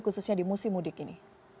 khususnya di musim mudik ini